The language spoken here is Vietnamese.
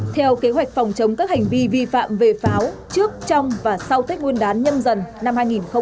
theo kế hoạch phòng chống các hành vi vi phạm về pháo trước trong và sau tết nguyên đán nhâm dần năm hai nghìn hai mươi